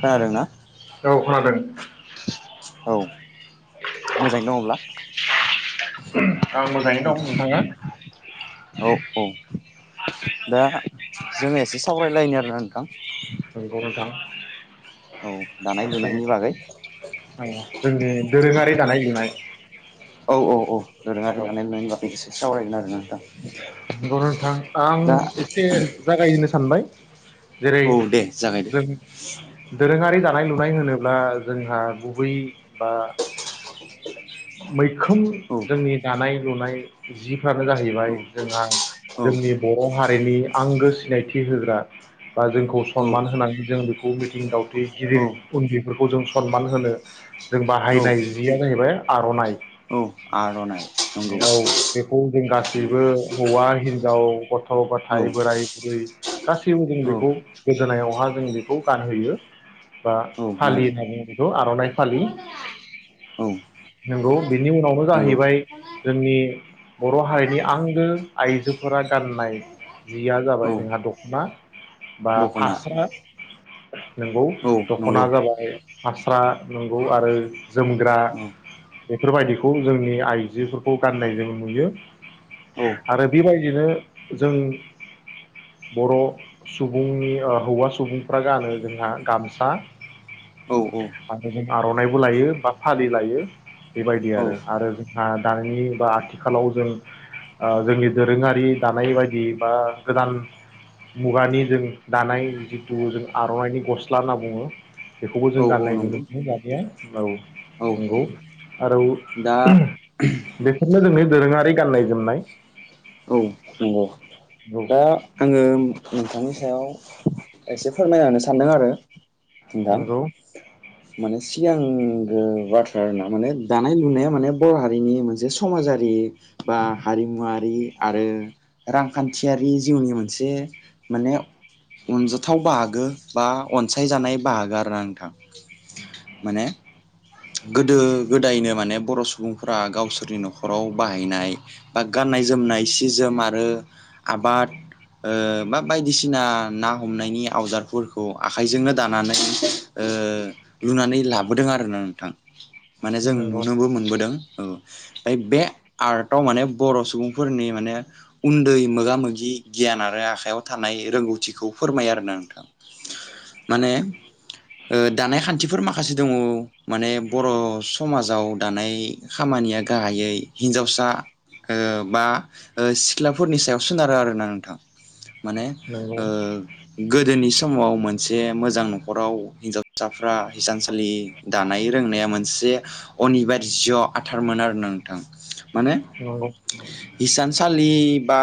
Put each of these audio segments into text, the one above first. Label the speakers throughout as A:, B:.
A: खोनादोंना
B: औ खोनादों
A: औ मोजाङै दङब्ला [unintelligible]
B: उम
A: नोंथां औ औ दा जोङो एसे सावरायलायनो आरोना नोंथां
B: नंगौ नोंथां
A: औ दानाय
B: दे
A: लुनायनि बागै
B: औ जोंनि दोरोङारि दानाय लुनाय
A: औ औ औ दोरोंङारि
B: औ
A: दानाय लुनायनि बागै एसे सावरायगोन आरोना दा
B: [unintelligible] नोथां आं एसे जागायनोसै सानबाय जेरै
A: औ दे जागायदो
B: जों दोरोङारि दानाय लुनाय होनोब्ला जोंहा गुबै बा मैखोम
A: औ
B: जोंनि दानाय लुनाय जिफ्रानो जाहैबाय
A: औ
B: जोंहा
A: औ
B: जोंनि बर' हारिनि आंगो सिनायथि होग्रा बा जोंखौ सनमान होनानै जों बेखौ मिथिं दावथि गिदिर
A: औ
B: उन्दैफोरखौ जों सनमान होनो जों
A: औ
B: बाहायनाय जिया जाहैबाय आर'नाइ।
A: औ आर'नाइ नंगौ
B: खौ जों गासैबो हौवा हिनजाव गथ'
A: औ
B: गथाय बोराय बुरै गासैबो जों
A: औ
B: बेखौ गोदोनायावहा जों बेखौ गानहोयो बा
A: औ नंगौ
B: फालियो होनना बुङो बेखौ आर'नाइ फालियो
A: औ
B: नंगौ बेनि उनावनो जाहै
A: नंगौ
B: बाय जोंनि बर' हारिनि आंगो आइजोफोरा गाननाय जिया
A: औ
B: जाबाय जोंहा दख'ना बा
A: दख'ना
B: फास्रा नंगौ
A: औ
B: दख'ना
A: नंगौ
B: जाबाय फास्रा नंगौ आरो जोमग्रा
A: औ
B: बेफोरबायदिखौ जोंनि आइजोफोरखौ गाननाय जों नुयो
A: औ
B: आरो बेबायदिनो जों बर' सुबुंनि हौवा सुबुंफ्रा गानो जोंहा गामसा
A: औ औ
B: माने आर'नाइबो लायो बा फालि लायो बेबायदि
A: औ
B: आरो आरो दानायनि बा आथिखालाव जों जोंनि दोरोङारि दानाय बायदि बा गोदान मुगानि जों दानाय जिथु जों आर'नाइनि गस्ला होनना बुङो। बेखौबो
A: औ
B: जों
A: औ
B: गाननाय
A: नंगौ
B: नुनो मोनो जानाया औ
A: औ
B: नंगौ आरो उ
A: दा
B: बे बेखौ जोंनि दोरोङारि गाननाय जोमनाय
A: नंगौ
B: नंगौ
A: दा आङो नोंथांनि सायाव एसे फोरमाय होननो सानदों आरो नोंथां
B: नंगौ
A: माने सिगांगो बाथ्राना माने दानाय लुनाया माने बर' हारिनि मोनसे समाजारि बा हारिमुवारि आरो रांखान्थियारि जिउनि मोनसे माने अनजाथाव बाहागो बा अनसायजानाय बाहागो आरो नोंथां माने गोदो गोदायनो माने बर' सुबुंफोरा गावसोरनि न'खराव बाहायनाय बा गाननाय जोमनाय सि जोमा आरो आबाद ओ बा बायदिसिना ना हमनायनि आवजादफोरखौ आखाइजोंनो दानानै लुनानै लाबोदों आरोना नोंथां माने जों
B: नंगौ
A: नुनोबो मोनबोदों औ ओमफ्राय बे आर्टआव माने बर' सुबुंफोरनि माने उन्दै मोगा मोगि गियान आरो आखायाव थानाय रोंगौथिखौ फोरमायो आरो ना नोंथां माने दानाय खान्थिफोर माखासे दङ माने बर' समाजाव दानाय खामानिया गाहायै हिन्जावसा ओ बा ओ सि ख्लाफोरनि सायाव सोनारो आरोना नोंथां माने ओ
B: नंगौ
A: गोदोनि समाव मोनसे मोजां न'खराव हिनजावसा फ्रा हिसानसालि दानाय रोंनाया मोनसे अनिबार आथारमोन आरो नोंथां माने
B: नंगौ
A: हिसानसालि बा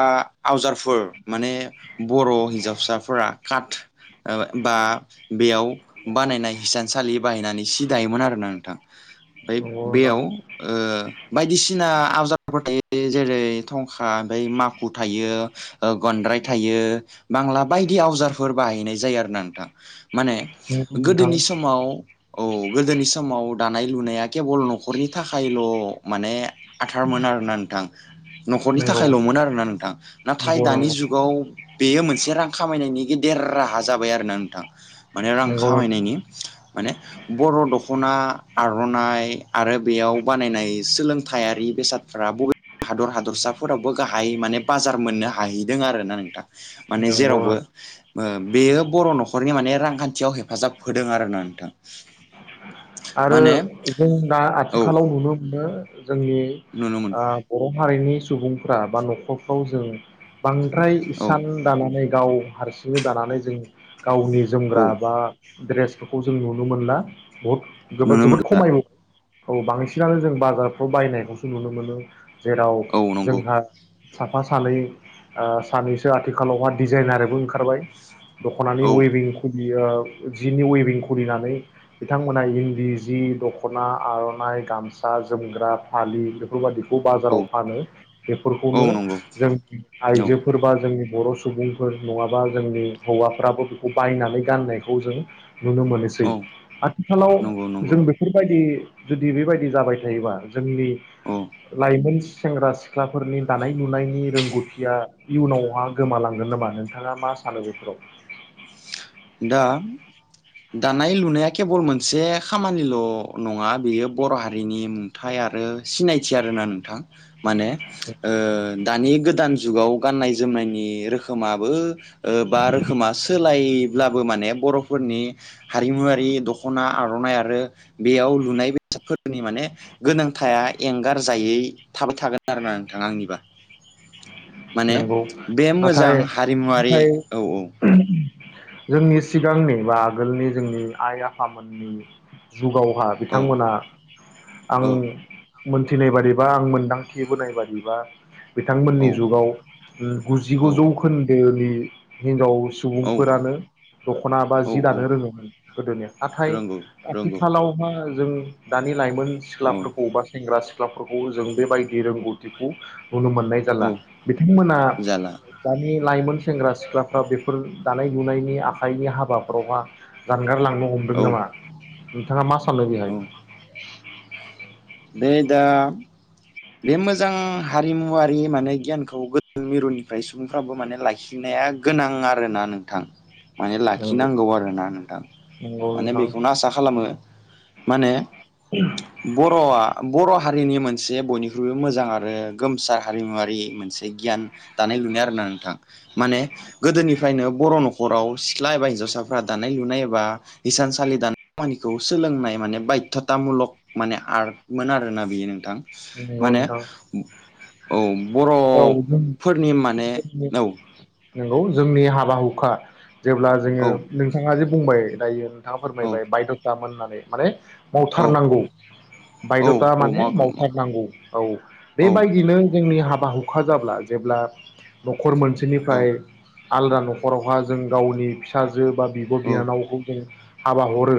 A: आवजारफोर माने बर' हिन्जावसाफोरा काट बा बेयाव बानायनाय हिसानसालि बाहायनानै सि दायोमोन आरोना नोंथां ओमफ्राय
B: नंगौ
A: बेयाव ओ बायदिसिना आवजारफोरबो थायो बे जेरै थं खा ओमफ्राय माखु थायो। ओ गनद्राय थायो बांला बायदि आवजारफोर बाहायनाय जायो आरो ना नोंथां माने
B: नंगौ नोंथां
A: गोदोनि समाव औ गोदोनि समाव दानाय-लुनाया केबल न'खर न'खरनि थाखायल' माने आथारमोन आरोना नोंथां न'खरनि
B: नंगौ
A: थाखायल'मोन आरोना नोंथां नाथाय
B: नंगौ नंगौ
A: दानि जुगाव बेयो मोनसे रां खामायनायनि देर राहा जाबाय बाय आरो ना नोंथां माने रां
B: नंगौ नोंथां
A: खामायनायनि माने बर' दख'ना आर'नाय आरो बेयाव बानायनाय सोलोंथायारि बेसादफ्रा बबेबा हादर हादरसा फोरावबो गाहाय माने बाजार मोननो हाहैदों आरो ना नोंथां माने
B: नंगौ
A: जेरावबो बेयो बर' न'खर न'खरनि माने रांखानथियाव हेफाजाब होदों आरोना नोंथां
B: आरो
A: माने
B: जों दा
A: औ
B: आथिखालाव नुनो मोनो जोंनि
A: नुनो मोनदों
B: ओ बर' हारिनि सुबुंफ्रा बा न'खरफ्राव जों बांद्राय
A: औ
B: सान दानानै गाव हारसिंनो दानानै जों गावनि
A: औ
B: जोमग्रा बा ड्रेस बेखौ जों नुनो मोनला बुहुद गोबोद
A: नुनो
B: जोबोद
A: मोनला
B: खमाय औ बांसिनानो जों बाजारफ्राव बायनायखौसो नुनो मोनो जेराव
A: औ नंगौ
B: जोंहा साफा सानै ओ सानैसो आथिखालावहा डिजाइनारबो ओंखारबाय दख'नानि
A: औ
B: वेयबिं बियो जिनि वेभिं खुलिनानै बिथांमोनहा इनदि जि दख'ना आर'नाइ गामसा जोमग्रा फालि बेफोरबायदि बाजाराव
A: औ
B: फानो
A: औ
B: बेफोरखौनो
A: नंगौ
B: जों
A: औ
B: आइजोफोर बा जोंनि बर' सुबुंफोर नङाबा जोंनि हौवाफ्राबो बेखौ बायनानै गाननायखौ जों नुनो मोनोसै
A: औ
B: खालाव
A: नंगौ नंगौ
B: जों बेफोरबायदि [unintelligible] जुदि बेबायदि जाबाय थायोबा जोंनि
A: औ
B: लाइमोन सेंग्रा सिख्लाफोरनि दानाय- लुनायनि रोंगौथिया इयुनावहा गोमालांगोन नामा नोंथाङा मा सानो बेफोराव
A: दा दानाय लुनाया केेबल मोनसे खामानिल' नङा बेयो बर' हारिनि नुथाय आरो सिनायथि आरोना नोंथां माने ओ दानि गोदान जुगाव गाननाय-जोमनायनि रोखोमाबो बा रोखोमासो सोलाय ब्लाबो माने बर'फोरनि हारिमुवारि दख'ना आ आर'नाइ आरो बेयाव लुनाय बेसादफोरनि माने गोनांथाया एंगारजायै थाबाय थागोन आरोना नोंथां आंनिबा माने
B: नंगौ
A: बे मोजां
B: नाथाय
A: हारिमुवारि
B: नाथाय
A: औ औ
B: जोंनि सिगांनि बा आगोलनि जोंनि आइ आफामोननि जुगावहा
A: औ
B: बिथांमोना आं
A: औ
B: मोनथिनाय बादिबा आं मोनदांथि बोनाय बादिबा
A: औ
B: बिथांमोननि जुगाव गुजिगुजौ जौखोनदोनि हिनजाव
A: औ
B: सुबुंफोरानो दख'ना बा
A: औ
B: जि
A: औ
B: दानो रोङोमोन गोदोनि नाथाय
A: रोंगौ रोंगौ
B: आथिखालावहा जों दानि लाइमोन
A: औ
B: सिख्लाफोरखौ बा सेंग्रा-सिख्ला सिख्लाफोरखौ जों बेबायदि रोंगौथिखौ नुनो मोननाय जाला
A: औ
B: नोंथांमोनहा
A: जाला
B: दानि लाइ सेंग्रा-सिख्लाफ्रा बेफोर दानाय-लुनायनि आखाइनि हाबाफोरावहा जा एंगारलांनो हमदों
A: औ
B: नामा नोंथाङा मा सलनि [unintelligible] ह [unintelligible]
A: बे दा बे मोजां हारिमुवारि माने गियानखौ गोदो मिरुनिफ्राय सुबुंफ्राबो माने लाखिनाया गोनां आरोना नोंथां माने
B: नंगौ
A: लाखिनांगौ आरोना नोंथां
B: नंगौ
A: माने
B: नोंथां
A: बेखौनो आसा खालामो माने बर'आ बर' हारिनि मोनसे बयनिख्रुइबो बख्रुइबो मोजां आरो गोमसार हारिमुवरारि मोनसे गियान दानाय-लुनाय आरो ना नोंथां माने गोदोनिफ्रायनो बर' न'खराव सिथ्ला एबा हिनजावसाफ्रा दानाय-लुनाय एबा हिसानसालि दानाय खामानिखौ सोलोंनाय माने बायध्य'था मुलक माने आर्टमोन आरोना बेयो नोंथां
B: बि [unintelligible]
A: माने औ
B: औ जों
A: बर'फोरनि माने
B: जोंनि
A: औ
B: नंगौ जोंनि हाबा हुखा जेब्ला जोङो
A: औ
B: नोंथाङा जे बुंबाय दायो नोंथाङा
A: औ
B: फोरमायबाय बायद' थामोन होननानै माने
A: औ
B: मावथारनांगौ
A: औ
B: बायद'था
A: औ
B: माने
A: मावाखै
B: माव नांगौ औ
A: औ
B: बेबायदिनो जोंनि हाबा हुखा जाब्ला जेब्ला न न'खर
A: औ
B: मोनसेनिफ्राय आलादा न'खरावहा जों गावनि फिसाजो बा बिब' बिनानावखौ जों हाबा हरो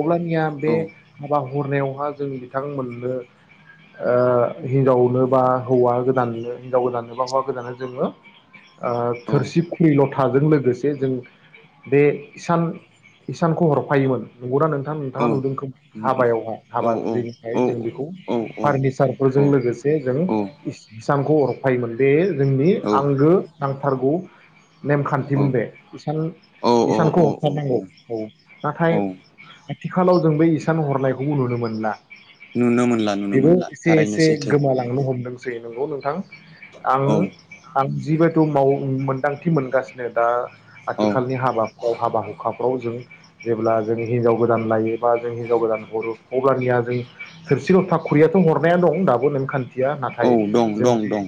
B: अब्लानिया
A: औ
B: बे हाबा हरनायावहा जों बिथांमोननो ओ हिनजावनो बा हौवा गोदाननो हिनजाव गोदाननो बा हौवा गोदाननो जोङो ओ थोरसि खुंरि ल' थाजों लोगोसे जों बे इसान इसानखौ हरफायोमोन नंगौना नों नोंथां नोंथाङा
A: औ
B: नुदों खोमा
A: औ
B: हाबायावहाय
A: औ
B: हाबा थिलिनिफ्राय जों बेखौ फार्निचारफोरजों लोगोसे जों इसानखौ हरफायोमोन बेयो जोंनि आंगो नांथारगौ नेमखान्थिमोन बेे इसान
A: औ औ
B: इसानखौ
A: औ
B: हरथारनांगौ औ नाथाय
A: औ
B: आथिखालाव जों बे इसान हरनायखौबो नुनो मोनला
A: नुनो मोनला नुनो
B: बेबो
A: मोनला
B: एसे
A: थारैनो
B: एसे
A: सैथो
B: गोमालांनो हमदोंसै नंगौ नोंथां? आं
A: औ
B: आ जिबायथु माव मोनदांथि मोनगासिनो दा
A: औ
B: आथिखालनि हाबाफ्राव हाबा हुखाफ्राव जों जेब्ला जों हिनजाव गोदान लायो बा जों हिनजाव गोदान हरो अब्लानिया जों थोरसि ल'था ख- खुरियाथ' हरनाया दं दाबो नेमखान- थिया
A: औ
B: नाथाय
A: दं
B: जों
A: दं
B: बे
A: दं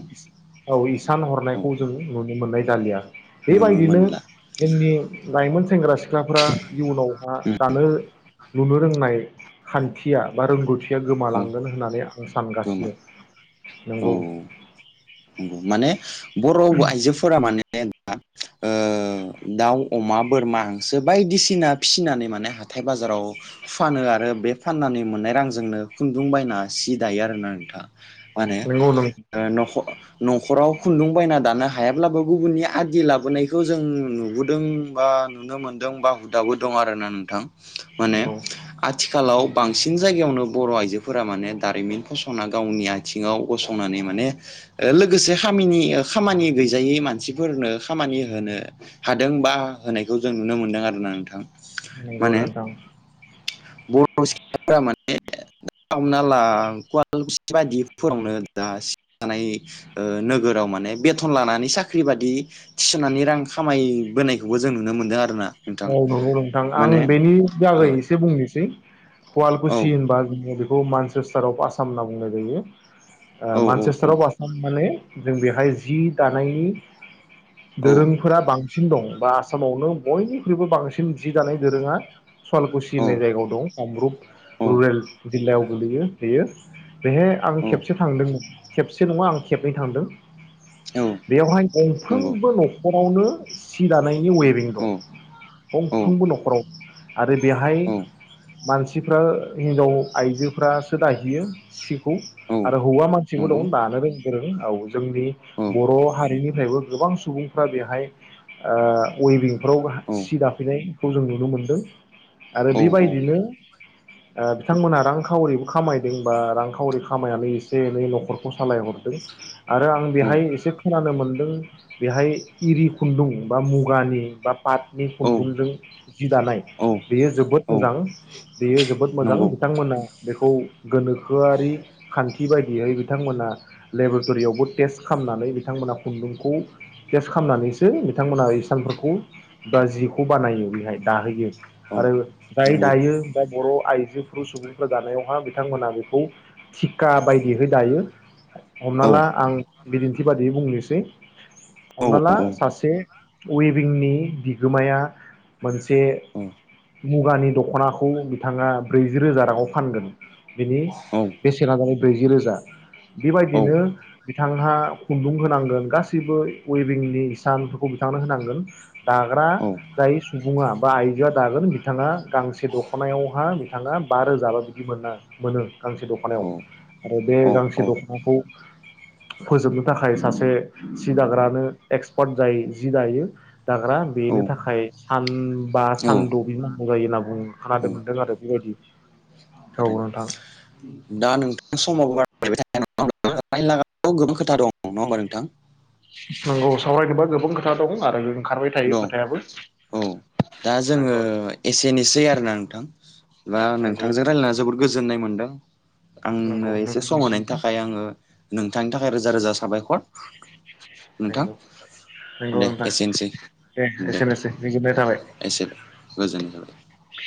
B: औ इसान
A: औ
B: हरनायखौ जों नुनो मोननाय जालिया।
A: नुनो
B: बेबायदिनो
A: मोनला
B: जोंनि लाइमोन सेंग्रा सि- सिख्लाफ्रा इयुनावहा दानो नुनो रोंनाय खान्थिया बा रोंगौथिया गोमाालां
A: औ
B: होननानै आं
A: गोमा
B: सानगासिनो
A: औ
B: नंगौ।
A: माने बर' आइजोफोरा माने दाउ अमा बोरमा हांसो बायदिसिना फिसिनानै माने हाथाय बाजाराव फानो आरो बे फाननानै मोननाय रांजोंनो खुन्दुं बायना सि दायो आरोना नोंथां माने
B: नंगौ
A: नख न'खराव खुन्दुं बायना दानो हायाब्लाबो गुबुननि आदि लाबोनायखौ जों नुबोदों बा नुनो मोनदों बा हुदाबो दं आरोना नोंथां। माने
B: नंगौ
A: आथिखालाव बांसिन जायगायावनो बर' आइजोफोरा माने दारिमिन फसंना गावनि आथिङाव गसंनानै माने लोगोसे खाम खामानि गैजायै मानसिफोरनो खामानि होनो हादों बा होनायखौ जों नुनो मोनदों आरोना नोंथां।
B: नोंखौ
A: माने
B: नोंथां
A: बर' सिख्लाफोरा माने हमना ला [unintelligible] बायदिफोरावनो दा सिानाय नोगोराव माने बे थन लानानै साख्रि बादि थिसनानै रां खामायबोनाय बेखौबो जों नुनो मोन्दों आरो ना
B: औ नंगौ नोंथां आं बेनि
A: ओ
B: जागायै एसे बुंनोसै।
A: औ
B: सुवलखुसि होनबा बे मानसेस्टार अफ आसाम होनना बुंनाय जायो।
A: औ औ
B: मानचस्टाराव आसाम माने जों बेहाय जि दानायनि
A: औ
B: दोरोंफोरा बां सिन दं बा आसामावनो बयनि ख्रुबो बांसिन जि दानाय दोरोङा सुवाललकुसि होननाय जायगायाव दं कामरुप रुरेल जिल्लायाव गोलैयो बेयो। बेहाय आं
A: औ
B: खेबसे थांदोंमोन खेबसे एसे नङा आं खेबनै थांदों।
A: औ
B: बेवहाय गंफ्रोमबो न'खर आवनो सि दानाय नि वयभिं दं। गंफ्रुमबो न'खराव [inaudible] आरो बेवहाय मानसिफ्रा हिनजाव आइजोफ्रासो दाहैयो सिखौ
A: औ
B: आरो हौवा मानसिबो
A: नंगौ
B: दं दानो रों गोरों औ जोंनि
A: औ
B: बर' हारिनिफ्रायबो गोबां सुबुंफ्रा बेहाय ओ वेबिंफ्राव
A: औ
B: सि दाफैनायखौ जों नुनो मोनदों आरो
A: औ नंगौ
B: बेबायदिनो ओ बिथांमोनहा रांखावरिबो खामायदों बा रांखावरि खामायनानै एसे एनै न'खरखौ सालायहरदों आरो आं
A: औ औ
B: बेहाय एसे खोनानो मोनदों बेहाय इरि खुन्दुं बा मुगानि बा पाट नि
A: औ
B: खुनदुंजों जि दानाय
A: औ
B: बेयो जोबोद
A: औ
B: मोजां बेयो जोबोद मोजां
A: नंगौ
B: बिथांमोना बेखौ गोनोखोआरि खानथि बादियै बिथांमोना लेबरटरियावबो टेस्ट खामनानै बिथांमोना खुनदुंखौ टेस्ट खामनानैसो बिथांमोना रिसानफोरखौ बा जिखौ बानायो बेहाय दाहोयो
A: औ
B: आरो जाय
A: नंगौ
B: दायो बा बर' आइजोफोर सुबुंफोर दानायावहा बिथांमोनहा बेखौ थिखा बायदिहै दायो हमना
A: औ
B: ला आं बिदिनथि बादियै बुंनोसै
A: औ
B: हमना ला सासे वेभिंनि बि गोमाया मोनसे मुगानि दख'नाखौ बिथाङा ब्रैजि रोजा राङाव फानगोन बिनि बेसेना जाबाय ब्रैजि रोजा बिबायदिनो बिथांहा खुनदुं होनांगोन गासैबो वेबिंनि इसानफोरखौ बिथांनो होनांगोन दा ग्रा
A: औ
B: जाय सुबुङा बा आइजोआ दागोन बिथाङा गांसे दख'नायावहा बिथाङा बा रोजाबा बिदि मोना मोनो गांसे दख'नायाव
A: औ
B: आरो बे
A: औ
B: गांसे
A: औ
B: दख'नाखौ फोजोबनो थाखाय सासे सि दाग्रानो एक्सपार्ट जायो जि दायो दाग्रा
A: औ
B: बेनो थाखाय सान बा
A: औ
B: सानद' बिदि नां गौ जायो होनना बुं खोनादों मोनदों आरो बेबायदि औ नोंथां
A: थारैनो दा नोंथां समासों बार [unintelligible]
B: नंगौ सावरायनोबा गोबां खोथा दं आरो ओंखारबाय थायो
A: दं
B: खोथायाबो
A: औ दा जोङो
B: नंगौ
A: एसेनोसै आरोना नोंथां बा
B: नंगौ
A: नोंथांजों रायलायना जोबोर गोजोननाय मोनदों । आंनो
B: नंगौ
A: एसे सम होनायनि
B: नोंथांनिसिमबो
A: थाखाय आङो नोंथांनि थाखाय रोजा रोजा साबायख'र नोंथां
B: नंगौ नंगौ
A: दे
B: नोंथां
A: एसेनोसै ।
B: दे एसेनोसै गोजोननाय थाबाय
A: गोजोननाय थाबाय
B: ।